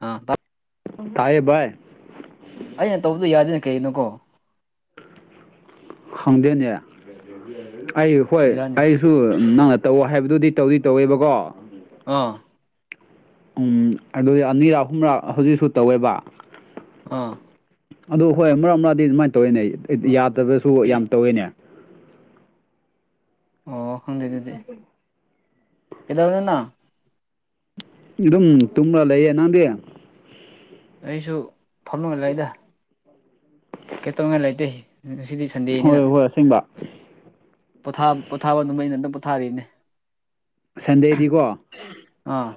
ꯑ ꯇꯌꯦ ꯕꯥꯏ ꯀꯩ ꯅꯀꯣ ꯈꯪꯗꯦꯅꯦ ꯑꯩ ꯍꯣꯏ ꯕꯦꯔꯥꯅꯤ ꯑꯩꯁꯨ ꯅꯪꯅ ꯇꯧꯑꯣ ꯍꯥꯏꯕꯗꯨꯗꯤ ꯇꯧꯗꯤ ꯇꯧꯋꯦꯕꯀꯣ ꯑꯥ ꯎꯝ ꯑꯗꯨꯗꯤ ꯑꯅꯤꯔꯛ ꯑꯍꯨꯝꯔꯛ ꯍꯧꯖꯤꯛꯁꯨ ꯇꯧꯋꯦꯕ ꯑꯥ ꯑꯗꯨ ꯍꯣꯏ ꯃꯔꯛ ꯃꯔꯛꯑꯗꯤ ꯑꯗꯨꯃꯥꯏꯅ ꯇꯧꯋꯤꯅꯦ ꯌꯥꯗꯕꯁꯨ ꯌꯥꯝ ꯇꯧꯋꯤꯅꯦ ꯑꯣ ꯈꯪꯗꯦ ꯑꯗꯨꯗꯤ ꯀꯗꯕꯅꯅ ꯑꯗꯨꯝ ꯇꯨꯝ꯭ꯔꯥ ꯂꯩꯌꯦꯦ ꯅꯪꯗꯤ ꯑꯩꯁꯨ ꯐꯝꯂꯒꯏꯗ ꯀꯩ ꯇꯧꯅꯤꯉꯥꯏ ꯂꯩꯇꯦ ꯉꯁꯤꯗꯤ ꯁꯟꯗꯦꯅꯤꯅ ꯍꯣꯏ ꯍꯣꯏ ꯑꯁꯦꯡꯕ ꯄꯣ ꯄꯣꯊꯥꯕ ꯅꯨꯃꯤ ꯑꯩꯅ ꯑꯝꯇ ꯄꯣꯊꯥꯔꯤꯅꯦ ꯁꯟꯗꯦꯗꯤꯀꯣ ꯑꯥ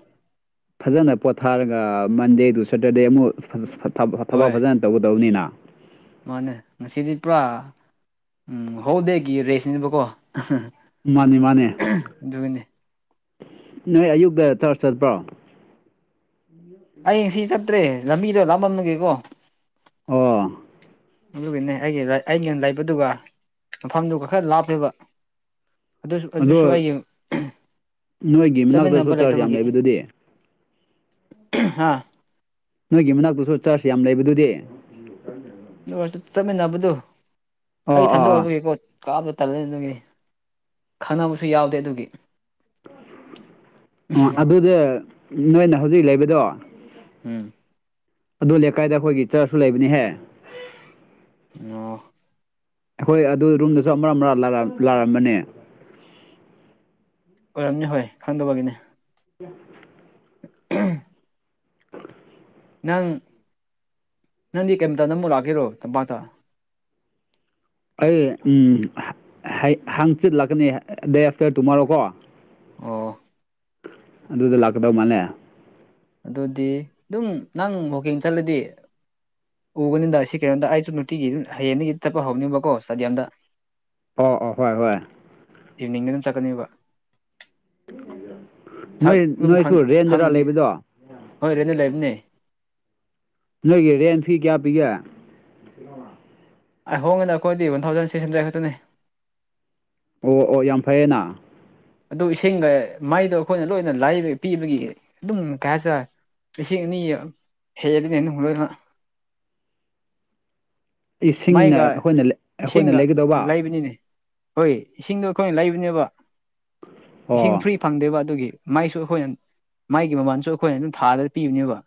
ꯐꯖꯅ ꯄꯣꯊꯥꯔꯒ ꯃꯟꯗꯦꯗꯨ ꯁꯦꯇꯔꯗꯦ ꯑꯃꯨꯛ ꯊꯕꯛ ꯍꯣꯏ ꯐꯖꯅ ꯇꯧꯒꯗꯕꯅꯤꯅ ꯃꯥꯅꯦ ꯉꯁꯤꯗꯤ ꯄꯨꯔꯥ ꯎꯝ ꯍꯗꯦꯒꯤ ꯔꯦꯁꯅꯦꯕꯀꯣ ꯃꯥꯅꯤ ꯃꯥꯅꯤ ꯑꯗꯨꯅꯦ ꯅꯣꯏ ꯑꯌꯨꯛꯇ ꯆꯔꯆ ꯆꯠꯄ꯭ꯔꯣ ꯑꯩ ꯁꯤ ꯆꯠꯇ꯭ꯔꯦ ꯂꯝꯕꯤꯗꯣ ꯂꯥꯃꯂꯒꯦꯀꯣ ꯎꯝ ꯑꯗꯨꯒꯤꯅꯦ ꯑꯩꯒꯤ ꯑꯩꯒꯤ ꯂꯩꯕꯗꯨꯒ ꯃꯐꯝꯗꯨꯒ ꯈꯔ ꯂꯥꯞꯄꯦꯕ ꯑꯗꯨꯁꯨ ꯑꯗꯣ ꯑꯗꯨꯁꯨ ꯍꯥꯏꯌꯦ ꯅꯣꯏꯒꯤ ꯃꯅꯥꯛꯇꯁꯨ ꯆꯥꯔꯖ ꯌꯥꯝ ꯂꯩꯕ ꯑꯗꯨꯗꯤ ꯍꯥꯥ ꯅꯣꯏꯒꯤ ꯃꯅꯥꯛꯇꯨꯁꯨ ꯆꯥꯔꯖ ꯌꯥꯝ ꯂꯩꯕꯗꯨꯗꯤ ꯑꯗꯨ ꯆꯠꯃꯤꯟꯅꯕꯗꯨ ꯑꯣ ꯑꯩ ꯑꯣ ꯊꯟꯗ ꯑꯣ ꯑꯣꯏꯕꯒꯦꯀꯣ ꯀꯥꯞꯗ ꯇꯜꯂꯅꯤ ꯑꯗꯨꯒꯤ ꯈꯪꯅꯕꯁꯨ ꯌꯥꯎꯗꯦ ꯑꯗꯨꯒꯤ ꯑꯥ ꯑꯗꯨꯗ ꯅꯣꯏꯅ ꯍꯧꯖꯤꯛ ꯂꯩꯕꯗꯣ ꯎꯝ ꯑꯗꯨꯣ ꯂꯩꯀꯥꯏꯗ ꯑꯩꯈꯣꯏꯒꯤ ꯆꯔꯆꯁꯨ ꯂꯩꯕꯅꯤꯍꯦ ꯑꯣ ꯑꯩꯈꯣꯏ ꯑꯗꯨ ꯔꯨꯝꯗꯨꯁꯨ ꯑꯃꯛ ꯑꯃ ꯂꯥꯛꯔꯝꯕꯅꯦ ꯑꯣꯏꯔꯝꯅꯤ ꯍꯣꯏ ꯈꯪꯗꯕꯒꯤꯅꯦ ꯎ [inaudible] ꯑ ꯅꯪ ꯅꯪꯗꯤ ꯀꯔꯤꯝꯇꯗ ꯑꯃꯨꯛ ꯂꯥꯛꯀꯦꯔꯣ ꯇꯝꯄꯥꯛꯇ ꯑꯩ ꯍꯪꯆꯤꯜꯂꯛꯀꯅꯤ ꯗꯦ ꯑꯐꯇꯔ ꯇꯨꯃꯥꯣꯔꯣ ꯀꯣ ꯑꯣ ꯑꯗꯨꯗ ꯂꯥꯛꯀꯗꯧ ꯃꯥꯜꯂꯦ ꯑꯗꯨꯗꯤ ꯑꯗꯨꯝ ꯅꯪ ꯍꯀꯤꯡ ꯆꯠꯂꯗꯤ ꯎꯕꯅꯤꯗ ꯁꯤ ꯀꯩꯅꯣꯝꯗ ꯑꯩꯁꯨ ꯅꯨꯡꯇꯤꯒꯤ ꯍꯌꯦꯡꯗꯒꯤ ꯆꯠꯄ ꯍꯧꯅꯤꯡꯕꯀꯣ ꯆꯗꯤꯌꯝꯗ ꯑꯣ ꯑꯣ ꯍꯣꯏ ꯍꯣꯏ ꯌꯦꯡꯅꯤꯡꯕ ꯑꯗꯨꯝ ꯆꯠꯀꯅꯦꯕ ꯁꯥꯛ ꯅꯣꯏ ꯑꯗꯨ ꯅꯣꯏꯁꯨ ꯔꯦꯟꯗꯔ ꯈꯪꯉꯗꯤ ꯂꯩꯕꯗꯣ ꯍꯣꯏ ꯔꯦꯅ ꯂꯩꯕꯅꯦ ꯂꯩ ꯔꯦꯟ ꯊꯤ ꯀꯌꯥ ꯄꯤꯒ ꯑꯩ ꯍꯣꯡꯉꯦꯗ ꯑꯩꯈꯣꯏꯗꯤ ꯋꯥꯟ ꯊꯥꯎꯖꯟ ꯁꯤꯛꯁ ꯍꯟꯗ꯭ꯔꯦꯗ ꯈꯛꯇꯅꯤ ꯑꯣ ꯑꯣ ꯌꯥꯝ ꯐꯩꯌꯦꯅ ꯑꯗꯨ ꯏꯁꯤꯡꯒ ꯃꯥꯏꯗꯣ ꯑꯩꯈꯣꯏꯅ ꯂꯣꯏꯅ ꯂꯥꯏꯕ ꯄꯤꯕꯒꯤ ꯑꯗꯨꯝ ꯀꯩ ꯍꯥꯏꯇꯥꯔꯦ ꯍꯦꯗꯤ ꯍꯂ [inaudible] ꯏꯁꯤꯡꯅ ꯃꯩꯒ ꯑꯩꯈꯣꯏꯅ ꯑꯩꯈꯣꯏꯅ ꯏꯁꯤꯡꯒ ꯂꯩꯒꯗꯧꯕ ꯂꯩꯕꯅꯤꯅꯦ ꯍꯣꯏ ꯏꯁꯤꯡꯗꯣ ꯑꯩꯈꯣꯏꯅ ꯂꯩꯕꯅꯦꯕ ꯑꯣ ꯏꯁꯤꯡ ꯐ꯭ꯔꯤ ꯐꯪꯗꯦꯕ ꯑꯗꯨꯒꯤ ꯃꯥꯏꯁꯨ ꯑꯩꯈꯣꯏꯅ ꯃꯥꯏꯒꯤ ꯃꯃꯜꯁꯨ ꯑꯩꯈꯣꯏꯅ ꯑꯗꯨꯝ ꯊꯥꯗ ꯄꯤꯌꯨꯅꯦꯕ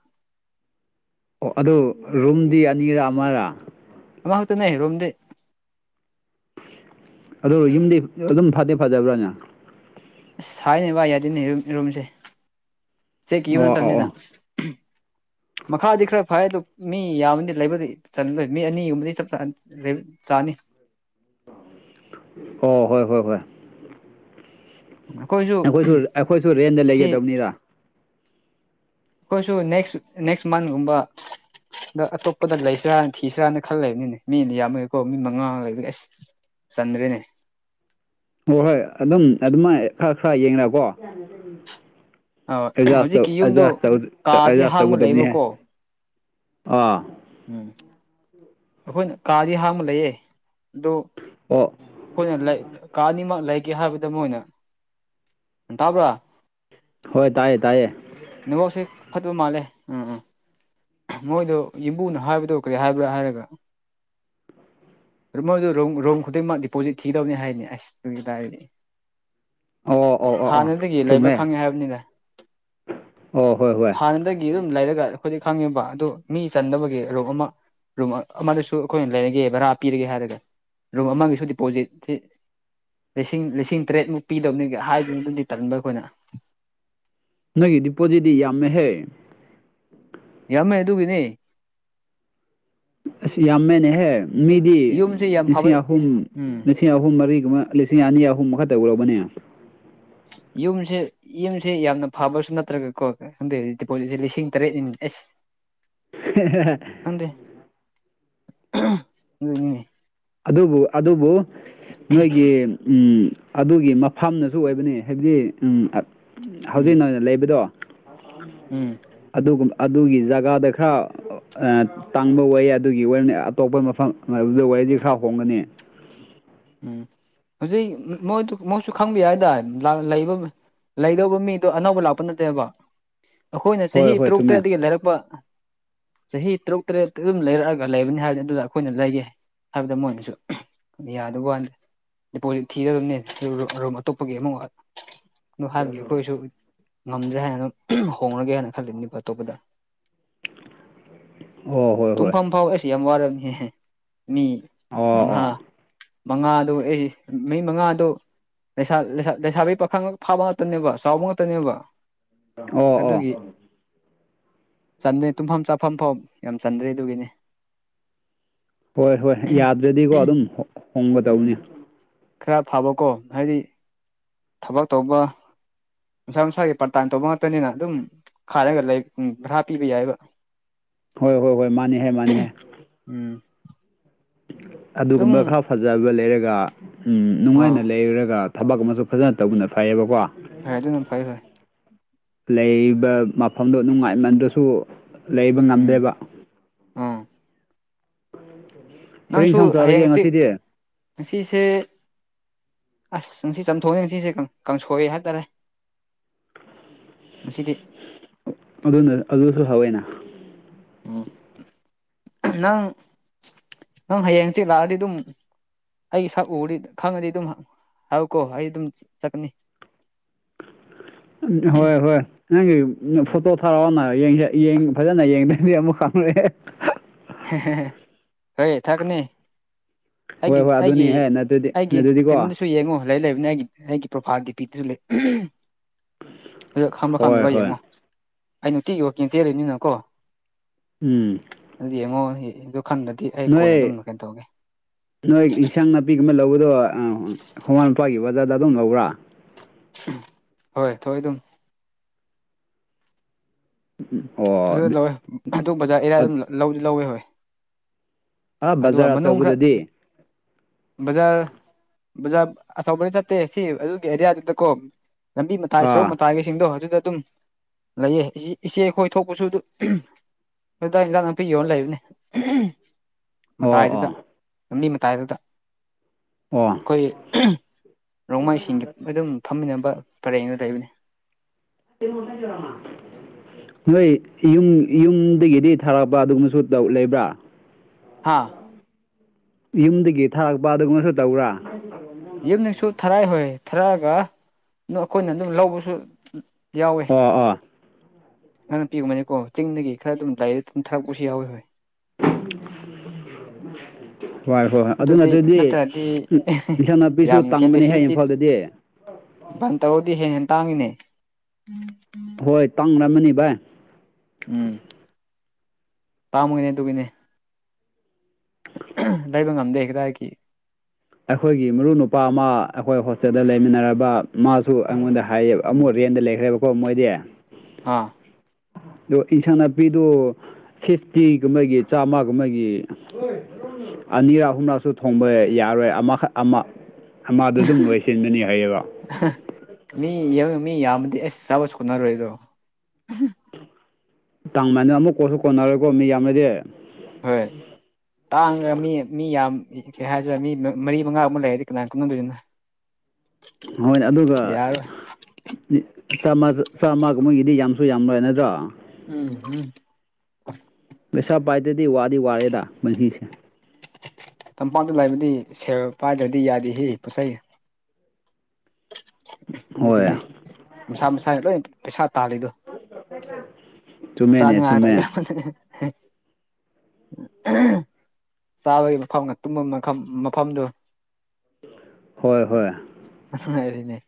ꯑꯣ ꯑꯗꯨ ꯔꯨꯝꯗꯤ ꯑꯅꯤꯔ ꯑꯃꯔꯥ ꯑꯃꯥꯡ ꯍꯛꯇ ꯅꯦꯔꯣꯝꯗꯦ ꯑꯗꯨ ꯌꯨꯝꯗꯤ ꯑꯗꯨꯝ ꯐꯗꯦ ꯐꯖꯕ꯭ꯔꯥꯅꯦ ꯑꯁ ꯍꯥꯏꯅꯦ ꯕꯥ ꯌꯥꯗꯅꯤ ꯔꯨꯝꯁꯦ ꯆꯦꯛ ꯀꯈꯤꯕ ꯃꯇꯝꯅꯤꯅ ꯎ ꯃꯈꯥꯗꯤ ꯈꯔ ꯐꯩ ꯑꯗꯨ ꯃꯤ ꯌꯥꯝꯃꯗꯤ ꯂꯩꯕꯗꯤ ꯆꯗꯣꯏ ꯃꯤ ꯑꯅꯤꯒꯨꯝꯕꯗꯤ ꯆꯥꯅꯤ ꯑꯣ ꯍꯣꯏ ꯍꯣꯏ ꯍꯣꯏ ꯑꯩꯈꯣꯏꯁꯨ ꯑꯩꯈꯣꯏꯁꯨ ꯔꯦꯟꯗ ꯁꯤ ꯂꯩꯒꯗꯕꯅꯤꯗ ꯑꯩꯈꯣꯏꯁꯨ ꯅꯦꯛꯁ ꯅꯦꯛꯁ ꯃꯟꯀꯨꯝꯕ ꯑꯗ ꯑꯇꯣꯞꯄꯗ ꯂꯩꯁꯤ꯭ꯔꯥꯅ ꯊꯤꯤꯁꯔꯥꯅ ꯈꯜ ꯂꯩꯕꯅꯤꯅꯦ ꯃꯤꯅ ꯌꯥꯝꯃꯒꯀꯣ ꯃꯤ ꯃꯉꯥ ꯂꯩꯕ ꯑꯁ ꯆꯟꯗꯔꯦꯅꯦ ꯍꯣꯏ ꯍꯣꯏ ꯑꯗꯨꯝ ꯑꯗꯨꯃꯥꯏꯅ ꯈꯔ ꯈꯔ ꯌꯦꯡꯅꯀꯣ ꯑꯥ ꯑꯦ ꯍꯧꯖꯤꯛꯀꯤ ꯌꯨꯝꯗꯣ ꯀꯥꯗꯤ ꯑꯦꯖ ꯍꯥꯡꯕ ꯇꯧꯒꯗꯧꯕꯅꯤꯍ ꯂꯩꯕꯀꯣ ꯑꯥ ꯎꯝ ꯑꯩꯈꯣꯏꯅ ꯀꯥꯗꯤ ꯍꯥꯡꯕ ꯂꯩꯌꯦ ꯑꯗꯨ ꯑꯣ ꯑꯩꯈꯣꯏꯅ ꯀꯅꯤꯃꯛ ꯂꯩꯒꯦ ꯍꯥꯏꯕꯗ ꯃꯣꯏꯅꯟ ꯇꯥꯕ꯭ꯔꯥ ꯍꯣꯏ ꯇꯥꯏꯌꯦ ꯇꯥꯏꯌꯦ ꯅꯦꯠꯋꯥꯛꯁꯦ ꯐꯠꯇꯕ ꯃꯥꯜꯂꯦ ꯎꯝ ꯎꯝ ꯃꯣꯏꯗꯣ ꯌꯨꯝꯕꯨꯅ ꯍꯥꯏꯕꯗꯣ ꯀꯔꯤ ꯍꯥꯏꯕ꯭ꯔꯥ ꯍꯥꯏꯔꯒ ꯑꯗꯨ ꯃꯣꯏꯗꯨ ꯔꯨꯝ ꯈꯨꯗꯤꯡꯃꯛ ꯗꯤꯄꯣꯖꯤꯠ ꯊꯤꯗꯕꯅꯤ ꯍꯥꯏꯅꯤ ꯑꯁ ꯑꯗꯨꯒꯤ ꯇꯔꯗꯤ ꯑꯣ ꯑꯣ ꯑꯣ ꯑꯣ ꯍꯥꯟꯅꯗꯒꯤ ꯂꯩꯕ ꯆꯨꯝꯃꯦ ꯈꯪꯉꯦ ꯍꯥꯏꯕꯅꯤꯅꯦ ꯑꯣ ꯍꯣꯏ ꯍꯣꯏ ꯍꯥꯟꯅꯗꯒꯤ ꯑꯗꯨꯝ ꯂꯩꯔꯒ ꯑꯩꯈꯣꯏꯗꯤ ꯈꯪꯉꯤꯕ ꯑꯗꯨ ꯃꯤ ꯆꯟꯅꯕꯒꯤ ꯔꯨꯝ ꯑꯃ ꯔꯨꯝ ꯑꯃꯗꯁꯨ ꯑꯩꯈꯣꯏꯅ ꯂꯩꯔꯒꯦ ꯚꯔꯥ ꯄꯤꯔꯒꯦ ꯍꯥꯏꯔꯒ ꯔꯨꯝ ꯑꯃꯒꯤꯁꯨ ꯗꯤꯄꯣꯖꯤꯠ ꯂꯤꯁꯤꯡ ꯂꯤꯁꯤꯡ ꯇꯔꯦꯠꯃꯨꯛ ꯄꯤꯗꯕꯅꯤꯒ ꯍꯥꯏꯗꯨꯗꯨꯗꯤ ꯇꯟꯕ ꯑꯩꯈꯣꯏꯅ ꯅꯪꯒꯤꯗꯤ ꯗꯤꯄꯣꯖꯤꯠꯇꯤ ꯌꯥꯝꯃꯦꯍꯦ ꯌꯥꯝꯃꯦ ꯑꯗꯨꯒꯤꯅꯦ ꯑꯁꯤ ꯌꯥꯝꯃꯦꯅꯦꯍꯦ ꯃꯤꯗꯤ ꯌꯨꯝꯁꯦ ꯌꯥꯝ ꯐꯕ ꯂꯤꯁꯤꯡ ꯑꯍꯨꯝ ꯎꯝ ꯂꯤꯁꯤꯡ ꯑꯍꯨꯝ ꯃꯔꯤꯒꯨꯝꯕ ꯂꯤꯁꯤꯡ ꯑꯅꯤ ꯑꯍꯨꯝ ꯃꯈꯛꯇ ꯎꯔꯕꯅꯦ ꯎꯝ ꯌꯨꯝꯁꯦ ꯌꯨꯝꯁꯦ ꯌꯥꯝꯅ ꯐꯕꯁꯨ ꯅꯠꯇ꯭ꯔꯒꯀꯣꯟꯗ ꯗꯤꯄꯣꯖꯤꯠꯁꯦ ꯂꯤꯁꯤꯡ ꯇꯔꯦꯠꯅꯤꯅꯤ ꯑꯦꯁ [unintelligible] ꯎ ꯑꯗꯨꯕꯨ ꯑꯗꯨꯕꯨ ꯅꯣꯏꯒꯤ ꯎꯝ ꯑꯗꯨꯒꯤ ꯃꯐꯝꯅꯁꯨ ꯁꯨ ꯑꯣꯏꯕꯅꯤ ꯍꯥꯏꯕꯗꯤ ꯎꯝ ꯍꯧꯖꯤꯛ ꯎꯝ ꯅ ꯑꯣꯏꯅ ꯂꯩꯕꯗꯣ ꯎꯝ ꯑꯗꯨꯒ ꯑꯗꯨꯒꯤ ꯖꯒꯥꯗ ꯈꯔ ꯇꯥꯡꯕ ꯋꯥ ꯑꯗꯨꯒꯤ ꯑꯣꯏꯅꯤ ꯑꯇꯣꯞꯄ ꯃꯐꯝꯗ ꯋꯥꯔꯤꯗꯤ ꯈꯔ ꯍꯣꯡꯒꯅꯤ ꯎꯝ ꯍꯧꯖꯤꯛ ꯃꯣꯏꯗꯨ ꯃꯣꯏꯁꯨ ꯈꯪꯕ ꯍꯥꯏꯇꯥꯔꯦ ꯂꯩꯕ ꯂꯩꯗꯧꯕ ꯃꯤꯗꯣ ꯑꯅꯧꯕ ꯂꯥꯛꯄ ꯅꯠꯇꯦꯕ ꯑꯩꯈꯣꯏꯅ ꯍꯣꯏ ꯆꯍꯤ ꯍꯣꯏ ꯇꯔꯨꯛ ꯆꯨꯝꯃꯦ ꯇꯔꯦꯠꯇꯗꯒꯤ ꯂꯩꯔꯛꯄ ꯆꯍꯤ ꯇꯔꯨꯛ ꯇꯔꯦꯠꯇ ꯑꯗꯨꯝ ꯂꯩꯔꯛꯑꯒ ꯂꯩꯕꯅꯤ ꯍꯥꯏꯕꯅꯤ ꯑꯗꯨꯗ ꯑꯩꯈꯣꯏꯅ ꯂꯩꯒꯦ ꯍꯥꯏꯕꯗ ꯃꯣꯏꯅꯁꯨ ꯌꯥꯗꯕ ꯋꯥꯗ ꯗꯤꯄꯣꯖꯤꯠ ꯊꯤꯒꯗꯕꯅꯦ ꯔꯨꯝ ꯑꯇꯣꯞꯄꯒꯤ ꯑꯃ ꯋꯥꯠꯂ ꯅꯨꯡ ꯍꯥꯏꯒ ꯑꯩꯈꯣꯏꯁꯨ ꯉꯝꯗ꯭ꯔꯦ ꯍꯥꯏꯅ ꯑꯗꯨ ꯍꯣꯡꯡꯂꯒꯦ ꯍꯥꯏꯅ ꯈꯜꯂꯤꯕꯅꯦꯕ ꯑꯇꯣꯞꯄꯗ ꯑꯣ ꯍꯣꯏ ꯍꯣꯏ ꯇꯨꯡꯐꯝ ꯐꯥꯎ ꯑꯩꯁ ꯌꯥꯝ ꯋꯥꯔꯝꯅꯤ ꯃꯤ ꯑꯣ ꯃꯍꯥ ꯑꯣ ꯃꯉꯥꯗꯨꯣ ꯑꯩ ꯃ ꯃꯉꯥꯗꯨ ꯂꯩꯁꯥꯕꯤ ꯄꯥꯈꯪ ꯐꯥꯕ ꯉꯥꯛꯇꯅꯦꯕ ꯆꯥꯎꯕ ꯉꯥꯛꯇꯅꯦꯕ ꯑꯣ ꯑꯣ ꯑꯗꯨꯒꯤ ꯆꯟꯗ꯭ꯔꯦ ꯇꯨꯝꯐꯝ ꯆꯥꯐꯝ ꯐꯥꯎ ꯌꯥꯝ ꯆꯟꯗ꯭ꯔꯦ ꯑꯗꯨꯒꯤꯅꯤ ꯍꯣꯏ ꯍꯣꯏ ꯌꯥꯗ꯭ꯔꯗꯤꯀꯣ ꯑꯗꯨꯝ ꯍꯣꯡꯒ ꯎꯝ ꯇꯧꯅꯤ ꯈꯔ ꯐꯥꯕꯀꯣ ꯍꯥꯏꯗꯤ ꯊꯕꯛ ꯇꯧꯕ ꯃꯁꯥ ꯃꯁꯥꯒꯤ ꯄ꯭ꯔꯇꯢꯝ ꯇꯧꯕ ꯉꯥꯛꯇꯅꯤꯅ ꯑꯗꯨꯝ ꯈꯥꯔꯒ ꯂꯩꯔꯒ ꯚꯔꯥ ꯄꯤꯕ ꯌꯥꯏꯕ ꯍꯣꯏ ꯍꯣꯏ ꯍꯣꯏ ꯃꯥꯅꯤꯍ ꯃꯥꯅꯤꯍ ꯎꯝ ꯑꯗꯨꯝ ꯑꯗꯨꯒꯨꯝꯕ ꯈꯔ ꯐꯖꯕ ꯂꯩꯔꯒ ꯑꯥ ꯅꯨꯡꯉꯥꯏꯅ ꯂꯩꯔꯒ ꯊꯕꯛ ꯑꯃꯁꯨ ꯐꯖꯅ ꯇꯧꯕꯅ ꯐꯩꯌꯦꯕꯀꯣ ꯍꯣꯏ ꯑꯗꯨꯅ ꯐꯩ ꯍꯣꯏ ꯂꯩꯕ ꯃꯐꯝꯗꯣ ꯅꯨꯡꯉꯥꯏꯃꯟꯗꯔꯥꯁꯨ ꯂꯩꯕ ꯎꯝ ꯉꯝꯗꯦꯕ ꯑꯥ ꯎꯝ ꯅꯪꯁꯨ ꯍꯌꯦꯡꯁꯤ ꯉꯁꯤꯁꯦ ꯑꯁ ꯉꯁꯤ ꯆꯥꯝꯊꯣꯛꯅꯤꯁꯤꯁꯦ ꯀꯥꯡꯁꯣꯏ ꯍꯥꯏꯇꯥꯔꯦ ꯉꯁꯤꯗꯤ ꯑꯗꯨ ꯑꯗꯨꯅ ꯍꯥꯎꯋꯦꯅ ꯎ ꯅꯪ ꯅꯪ ꯍꯌꯦꯡ ꯍꯥꯡꯆꯤꯠ ꯂꯥꯛꯑꯗꯤ ꯑꯗꯨꯝ ꯑꯩ ꯁꯛ ꯎꯔꯥꯗꯤ ꯈꯪꯉꯥꯗꯤ ꯑꯗꯨꯝ ꯍꯥꯏꯀꯣ ꯑꯩ ꯑꯗꯨꯝ ꯆꯠꯀꯅꯤ ꯍꯣꯏ ꯍꯣꯏ ꯅꯪꯒꯤ ꯐꯣꯇꯣ ꯊꯔꯥꯛꯑꯣꯅ ꯍꯌꯦꯡꯁꯦ ꯐꯖꯅ ꯌꯦꯡꯗꯗꯤ ꯑꯃꯨꯛ ꯈꯪꯉꯣꯏ [inaudible] ꯍꯣꯏ ꯊꯥꯛꯒꯅꯤ ꯍꯣꯏ ꯑꯩꯒꯤ ꯍꯣꯏ ꯑꯩꯒꯤ ꯑꯗꯨꯅꯤꯍꯦ ꯅꯠꯇ꯭ꯔꯗꯤ ꯑꯩꯒꯤ ꯅꯠꯇ꯭ꯔꯗꯤꯀꯣ ꯀꯩꯅꯣꯗꯨꯁꯨ ꯌꯦꯡꯉꯨ ꯂꯩ ꯂꯩꯕꯅꯦ ꯑꯩꯒꯤ ꯑꯩꯒꯤ ꯄ꯭ꯔꯣꯐꯥꯏꯜꯗꯤ ꯄꯤꯗꯨꯁꯨ ꯂꯩ ꯑꯗꯨ ꯈꯪꯕ ꯍꯣꯏ ꯈꯪꯗꯕ ꯍꯣꯏ ꯌꯦꯡꯉꯣ ꯑꯩ ꯅꯨꯡꯇꯤꯒꯤ ꯋꯥꯛꯀꯤꯡ ꯆꯦꯜꯂꯤꯅꯤꯅꯀꯣ ꯎꯝ ꯑꯗꯨ ꯌꯦꯉꯣ ꯅꯣꯏ ꯅꯣꯏ ꯏꯟꯁꯥꯡ ꯅꯥꯄꯤꯒꯨꯝꯕ ꯂꯧꯕ ꯑꯗꯣ ꯍꯣꯡꯃꯟꯄꯥꯒꯤ ꯕꯖꯥꯔꯗ ꯑꯗꯨꯝ ꯂꯧꯕ꯭ꯔꯥ ꯎꯝ ꯍꯣꯏ ꯊꯣꯛꯢ ꯑꯗꯨꯝ ꯑꯣ ꯑꯗꯨ ꯂꯧꯋꯦ ꯍꯟꯗꯛ ꯕꯖꯥꯔ ꯑꯦꯔꯤꯌꯥ ꯑꯗꯨꯝ ꯂꯧ ꯂꯧꯋꯦ ꯍꯣꯏ [inaudible] ꯑꯥ ꯑꯗꯨꯒ ꯕꯖꯥꯔ ꯃꯅꯨꯡ ꯈꯥ ꯑꯆꯧꯕꯗꯗꯤ ꯕꯖꯥꯔ ꯕꯖꯥꯔ ꯑꯆꯧꯕꯗꯤ ꯆꯠꯇꯦ ꯁꯤ ꯑꯗꯨꯒꯤ ꯑꯦꯔꯤꯌꯥꯗꯨꯗꯀꯣ ꯂꯝꯕꯤ ꯃꯇꯥꯏ ꯁꯣꯔꯣꯛ ꯑꯥ ꯃꯇꯥꯏꯒꯤꯁꯤꯡꯗꯣ ꯑꯗꯨꯗ ꯑꯗꯨꯝ ꯂꯩꯌꯦ ꯏꯆꯦ ꯑꯩꯈꯣꯏ ꯊꯣꯛꯄꯁꯨ ꯑꯗꯨ ꯑꯗꯥꯏꯗ ꯑꯦꯟꯁꯟ ꯅꯥꯄꯤ ꯌꯣꯅ ꯂꯩꯕꯅꯦ ꯑꯣ ꯃꯇꯥꯏꯗꯨꯗ ꯑꯣ ꯂꯝꯕꯤ ꯃꯇꯥꯏꯗꯨꯗ ꯑꯣ ꯑꯩꯈꯣꯏ ꯔꯣꯡꯃꯥꯏꯁꯤꯡꯒꯤ ꯑꯗꯨꯝ ꯐꯝꯃꯤꯟꯅꯕ ꯄꯥꯔꯦꯡ ꯗꯨꯗꯥ ꯂꯩꯕꯅꯦ ꯔꯃ [unintelligible] ꯅꯣꯏ ꯌꯨꯝ ꯌꯨꯝꯗꯒꯤꯗꯤ ꯊꯥꯔꯛꯄ ꯑꯗꯨꯒꯨꯝꯕꯁꯨ ꯂꯩꯕ꯭ꯔꯥ ꯍꯥꯥ ꯌꯨꯝꯗꯒꯤ ꯊꯥꯔꯛꯄ ꯑꯗꯨꯒꯨꯝꯕꯁꯨ ꯇꯧꯕ꯭ꯔꯥ ꯌꯨꯝꯗꯩꯩꯁꯨ ꯊꯥꯔꯛꯌꯦ ꯍꯣꯏ ꯊꯥꯔꯛꯑꯒ ꯑꯗꯨ ꯑꯩꯈꯣꯏꯅ ꯑꯗꯨꯝ ꯂꯧꯕꯁꯨ ꯑ ꯑꯥ [inaudible] ꯅꯪꯅ ꯄꯤꯨꯕꯅꯤꯀꯣ ꯆꯤꯡꯗꯒꯤ ꯈꯔ ꯑꯗꯨꯝ ꯂꯩꯔꯒ ꯑꯗꯨꯝ ꯊꯥꯔꯛꯄꯁꯨ ꯌꯥꯎꯋꯤ ꯍꯣꯏ ꯍꯣꯏ ꯍꯣꯏ ꯍꯣꯏ ꯑꯗꯨ ꯑꯗꯨꯗꯤ ꯅꯠꯇ꯭ꯔꯗꯤ ꯑꯦꯟꯁꯥꯡ ꯅꯥꯄꯤꯁꯨ ꯌꯥꯝꯅ ꯈꯦꯅꯩ ꯇꯥꯡꯕꯅꯤꯍꯦ ꯁꯤꯗꯤ ꯏꯝꯐꯥꯜꯗꯗꯤ ꯕꯟ ꯇꯧꯔꯗꯤ ꯍꯦ ꯍꯦꯟꯅ ꯇꯥꯡꯉꯤꯅꯦ ꯍꯣꯏ ꯇꯥꯡꯅꯝꯃꯅꯤ ꯚꯥꯏ ꯎꯝ ꯇꯥꯡꯕꯒꯤꯅꯦ ꯑꯗꯨꯒꯤꯅꯦ ꯂꯩꯕ ꯉꯝꯗꯦ ꯀꯗꯥꯏꯗꯒꯤ ꯑꯩꯈꯣꯏꯒꯤ ꯃꯔꯨꯞ ꯅꯨꯄꯥ ꯑꯃ ꯑꯩꯈꯣꯏ ꯍꯣꯁꯇꯦꯜꯗ ꯂꯩꯃꯤꯟꯅꯔꯕ ꯃꯥꯁꯨ ꯑꯩꯉꯣꯟꯗ ꯍꯥꯏꯌꯦ ꯎꯝ ꯑꯃꯨꯛ ꯔꯦꯟꯗ ꯂꯩꯈ꯭ꯔꯦꯕꯀꯣ ꯃꯣꯏꯗꯤ ꯑꯥ ꯗꯣ ꯏꯟꯁꯥꯡꯅꯥꯄꯤꯗꯨ ꯐꯤꯐꯇꯤꯒꯨꯝꯕꯒꯤ ꯆꯥꯝꯃꯒꯨꯝꯕꯒꯤ ꯑꯅꯤꯔꯛ ꯑꯍꯨꯝꯂꯛꯁꯨ ꯊꯣꯡꯕ ꯌꯥꯔꯣꯏ ꯑꯃꯈꯛ ꯑꯃ ꯑꯃꯗ ꯑꯗꯨꯝ ꯂꯣꯏꯁꯤꯟꯒꯅꯤ ꯍꯥꯏꯌꯦꯕ ꯃꯤ ꯌꯥꯝ ꯃꯤ ꯌꯥꯝꯕꯗꯤ ꯆꯥꯕꯁꯨ ꯀꯣꯟꯅꯔꯣꯏꯗꯣ ꯇꯥꯡꯃꯥꯜꯂꯦ ꯑꯃꯨꯛ ꯀꯣꯟꯁꯨ ꯀꯣꯟꯅꯔꯣꯏꯀꯣ ꯃꯤ ꯌꯥꯝꯅꯗꯤ ꯍꯣꯏ ꯇꯥꯡꯒ ꯃꯤ ꯃꯤ ꯌꯥꯝ [inaudible] ꯀꯩ ꯍꯥꯏꯖꯤꯔ ꯃꯤ ꯃꯔꯤ ꯃꯉꯥ ꯑꯃ ꯂꯩꯔꯗꯤ ꯀꯅꯥꯥꯏ ꯈꯪꯍꯪꯗꯣꯏꯗꯅꯣ [inaudible] ꯍꯣꯏꯅꯦ ꯑꯗꯨꯒ ꯆꯥꯝꯃ ꯆꯥꯝꯃꯒꯨꯝꯕꯒꯤꯗꯤ ꯌꯥꯝꯁꯨ ꯌꯥꯝ ꯂꯏ ꯅꯠꯇ꯭ꯔꯣ ꯎꯝ ꯎꯝ ꯄꯩꯁꯥ ꯄꯥꯏꯇꯗꯤ ꯋꯥꯗꯤ ꯋꯥꯔꯦꯗꯥ ꯄꯨꯟꯁꯤꯁꯦ ꯇꯝꯄꯥꯛꯇ ꯂꯥꯏꯕꯗꯤ ꯁꯦ ꯄꯥꯏꯗ꯭ꯔꯗꯤ ꯌꯥꯗꯦ ꯍꯤ ꯄꯣꯠꯆꯩ ꯍꯣꯏ ꯑꯗꯨꯒꯤꯅꯦ ꯃꯁꯥ ꯃꯁꯥꯅ ꯂꯣꯏ ꯄꯩꯁꯥ ꯇꯥꯂꯤꯗꯨꯣ ꯆꯨꯝꯃꯦꯅꯦ ꯆꯅꯤꯡꯉ ꯇ ꯆꯨꯝꯃꯦ ꯆꯥꯕꯒꯤ ꯃꯐꯝ ꯇꯨꯝꯕꯝ ꯃꯈꯝ ꯃꯐꯝꯗꯨ ꯍꯣꯏ ꯍꯣꯏ ꯑꯁꯉꯥꯏꯔꯤꯅꯦ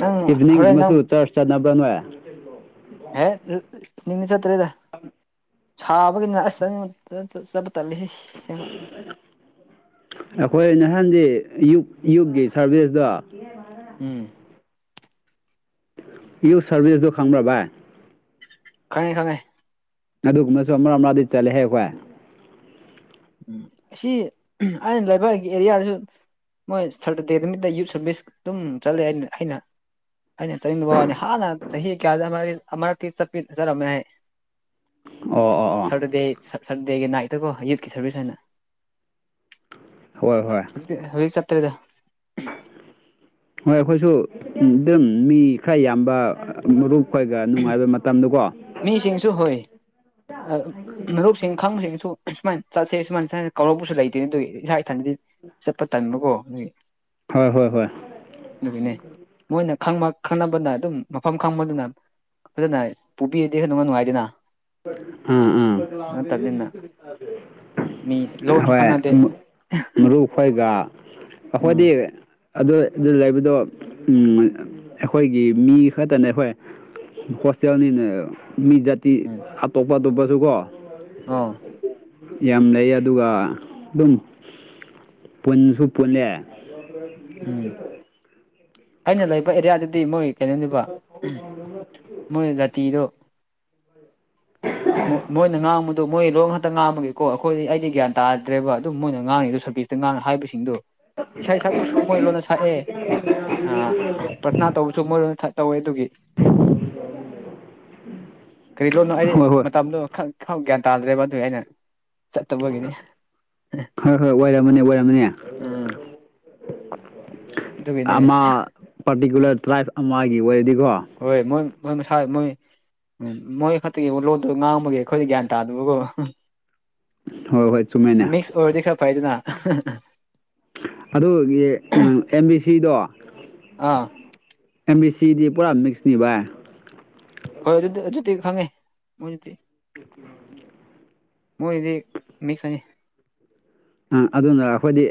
ꯅꯪ ꯏꯚꯤꯅꯤꯡ ꯍꯣꯔꯦꯟ ꯒꯨꯃꯁꯨ ꯅꯪ ꯆꯔꯁ ꯆꯠꯅ [unintelligible] ꯍꯦ ꯅꯤꯡꯅ ꯆꯠꯇ꯭ꯔꯤꯗ ꯁꯥꯕꯒꯤꯅꯤꯅ ꯑꯁ ꯆ ꯆꯠꯄ ꯇꯠꯂꯤ ꯑꯩꯈꯣꯏ ꯅꯍꯥꯟꯗꯤ ꯑꯌꯨꯛ ꯑꯌꯨꯛꯀꯤ ꯁꯥꯔꯚꯤꯁꯇꯣ ꯎꯝ ꯌꯨ ꯁꯥꯔꯚꯤꯁꯗꯨ ꯈꯪꯕ꯭ꯔ ꯕꯥꯏ ꯈꯉꯦ ꯈꯉꯦ ꯑꯗꯨꯒꯨꯝꯕꯁꯨ ꯑꯃꯛ ꯑꯃꯥꯔꯗꯤ ꯆꯠꯂꯦꯍꯦ ꯑꯈꯣꯏ ꯎ ꯑꯁꯤ ꯑꯩꯅ ꯂꯩꯕꯥꯛꯒꯤ ꯑꯦꯔꯤꯌꯥꯗꯁꯨ ꯃꯣꯏ ꯁꯇꯔꯗꯦ ꯅꯨꯃꯤꯠꯇ ꯌꯨꯠ ꯁꯥꯔꯚꯤꯁ ꯑꯗꯨꯝ ꯆꯠꯂꯦ ꯑꯩꯅ ꯑꯩꯅ ꯆꯠꯅꯤꯡꯕꯅꯤ ꯍꯥꯟꯅ ꯆꯍꯤ ꯀꯌꯥꯗ ꯃꯔꯛꯇꯤ ꯆꯠꯄꯤ ꯆꯠꯔꯝꯃꯦ ꯍꯥꯏ ꯑꯣ ꯑꯣ ꯑꯣ ꯁꯗꯦꯒꯤ ꯅꯥꯏꯛꯇꯀꯣ ꯌꯨꯠꯀꯤ ꯁꯔꯚꯤꯁꯁ ꯍꯥꯏꯅ ꯍꯣꯏ ꯍꯣꯏ ꯍꯣꯏ ꯍꯧꯖꯤꯛ ꯍꯧꯖꯤꯛ ꯆꯠꯇꯔꯦꯗ ꯍꯣꯏ ꯑꯈꯣꯏꯁꯨ ꯑꯗꯨꯝ ꯃꯤ ꯈꯔ ꯌꯥꯝꯕ ꯃꯔꯨꯞ ꯈꯣꯏꯒ ꯅꯨꯡꯉꯥꯏꯕ ꯃꯇꯝꯗꯨꯀꯣ ꯃꯤꯁꯤꯡꯁꯨ ꯍꯨꯏ ꯃꯔꯨꯞꯁꯤꯡ ꯈꯪꯁꯤꯡ ꯁꯨꯃꯥꯏꯅ ꯆꯠꯁꯦ ꯁꯨꯃꯥꯏꯅ ꯁꯨꯃꯥꯏꯅ ꯀꯧꯔꯛꯄꯁꯨ ꯂꯩꯇꯦꯅꯦ ꯑꯗꯨꯒꯤ ꯏꯁꯥ ꯏꯊꯟꯗꯗꯤ ꯆꯠꯄ ꯇꯟꯕꯀꯣ ꯑꯗꯨ ꯍꯣꯏ ꯍꯣꯏ ꯍꯣꯏ ꯅꯨꯒꯤꯅꯦ ꯃꯣꯏꯅ ꯈꯪꯕ ꯈꯪꯅꯕꯅ ꯑꯗꯨꯝ ꯃꯐꯝ ꯈꯪꯕꯗꯨꯅ ꯐꯖꯅ ꯄꯨꯕꯤꯔꯗꯤ ꯅꯨꯡ ꯅꯨꯡꯉꯥꯏꯗꯦꯅ ꯎꯝ ꯎꯝ ꯃꯤ ꯂꯣꯟꯁꯨ ꯍꯣꯏ ꯈꯪꯅꯗꯦ ꯃꯔꯨ ꯈꯣꯏꯒ ꯎꯝ ꯑꯈꯣꯏꯗꯤ ꯑꯗꯨ ꯑꯗꯨ ꯂꯩꯕꯗꯣ ꯑꯩꯈꯣꯏꯒꯤ ꯃꯤ ꯈꯛꯇꯅꯦ ꯑꯩꯈꯣꯏ ꯍꯣꯁꯇꯦꯜꯅꯤꯅ ꯃꯤꯖ ꯍꯇꯣꯞꯄ ꯑꯇꯣꯞꯄꯁꯨ ꯀꯣ ꯑꯥ ꯌꯥꯝ ꯂꯩ ꯑꯗꯨꯒ ꯑꯗꯨꯝ ꯄꯨꯟꯁꯨ ꯄꯨꯜꯂꯦ [unintelligible] ꯎꯝ ꯑꯩꯅ ꯂꯩꯕ ꯑꯦꯔꯤꯌꯥꯗꯗꯤ ꯃꯣꯏ ꯀꯩꯅꯣꯅꯦꯕ ꯃꯣꯏ ꯖꯥꯇꯤꯗꯨ ꯉꯥꯡꯕꯗꯣ ꯃꯣꯏ ꯂꯣꯏꯝ ꯉꯥꯛꯇ ꯉꯥꯡꯕꯒꯦꯀꯣ ꯑꯩꯈꯣꯏꯗꯤ ꯑꯩꯗꯤꯒ꯭ꯌꯥꯟ ꯇꯥꯗ꯭ꯔꯦꯕ ꯑꯗꯨꯝ ꯃꯣꯏꯅ ꯉꯥꯡꯉꯤ ꯑꯗꯨ ꯁꯔꯕꯤꯁꯇ ꯉꯥꯡ ꯍꯥꯏꯕꯁꯤꯡꯗꯣ ꯏꯁꯥ ꯁꯛꯄꯁꯨ ꯃꯣꯏ ꯂꯣꯟꯅ ꯁꯛꯑꯦ ꯄ꯭ꯔꯊꯅꯥ ꯇꯧꯕꯁꯨ ꯃꯣꯏ ꯑꯣꯏꯅ ꯇꯧꯋꯦ ꯑꯗꯨꯒꯤ [inaudible] ꯀꯔꯤ ꯂꯣꯅꯣ ꯑꯩꯗꯤ ꯍꯣꯏ ꯍꯣꯏ ꯃꯇꯝꯗꯣ ꯈ ꯈ ꯒ꯭ꯌꯥꯟ ꯇꯥꯗ꯭ꯔꯦꯕ ꯑꯗꯨꯒꯤ ꯑꯩꯅ ꯆꯠꯇꯕꯒꯤꯅꯤ ꯍꯣꯏ ꯍꯣꯏ ꯑꯣꯏꯔꯝꯃꯅꯤ ꯑꯣꯏꯔꯝꯃꯅꯤ ꯎꯝ ꯑꯗꯨꯒꯤꯅꯦ ꯑꯃ ꯄꯥꯔꯇꯤꯀꯨꯂꯔ ꯇ꯭ꯔꯥꯏꯞ ꯑꯃꯒꯤ ꯑꯣꯏꯔꯗꯤ ꯍꯣꯏ ꯃꯣꯏ ꯃꯁꯥ ꯃꯣꯏ ꯎꯝ ꯃꯣꯏ ꯈꯛꯇꯒꯤ ꯂꯣꯟꯗꯨꯣ ꯉꯥꯡꯕꯒꯤ ꯑꯩꯈꯣꯏꯗꯤ ꯒ꯭ꯌꯥꯟ ꯇꯥꯗꯕꯀꯣ ꯍꯣꯏ ꯍꯣꯏ ꯆꯨꯝꯃꯦꯅꯦ ꯐꯥꯏꯗꯅ ꯑꯗꯨꯒꯤ ꯑꯦꯝ ꯕꯤ ꯁꯤꯗꯣ ꯑꯥ ꯑꯦꯝꯕꯤ ꯁꯤꯗꯤ ꯄꯨꯔꯥ ꯃꯤꯛꯁ ꯅꯤꯚ ꯍꯣꯏ ꯑꯗꯨꯗꯤ ꯑꯗꯨꯗꯤ ꯈꯪꯉꯦ ꯃꯤ [unintelligible] ꯃꯣꯏꯗꯤ ꯃꯤꯁꯅꯤ ꯑꯪ ꯑꯗꯨꯅ ꯑꯩꯈꯣꯏꯗꯤ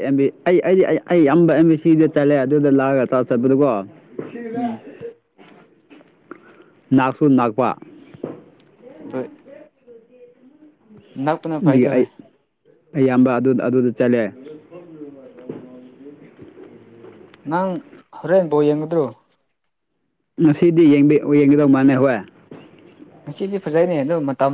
ꯑꯩ ꯑꯩꯗꯤ ꯑꯩ ꯑꯝꯕ ꯑꯦꯝ ꯕꯤ ꯁꯤꯗ ꯆꯠꯂꯦ ꯑꯗꯨꯗ ꯂꯥꯛꯑꯒ ꯆꯠꯄꯗꯨꯀꯣ ꯎꯝ ꯅꯥꯒꯁꯨ ꯅꯥꯒꯄꯥ ꯍꯣꯏ ꯅꯅꯥꯄꯅ ꯑꯗꯨꯒꯤ ꯐꯥꯏꯗꯣ ꯑꯩ ꯍꯣꯏ ꯑꯌꯥꯝꯕ ꯑꯗꯨ ꯑꯗꯨꯗ ꯆꯠꯂꯦ ꯅꯪ ꯍꯣꯔꯦꯟꯗꯧ ꯌꯦꯡꯒꯗ꯭ꯔꯣ ꯉꯁꯤꯗꯤ ꯌꯦꯡꯒꯗꯧ ꯃꯥꯥꯟꯅꯦ ꯍꯣꯏ ꯑꯥꯁꯤꯗꯤ ꯐꯖꯩꯅꯦ ꯑꯗꯨꯣ ꯃꯇꯝ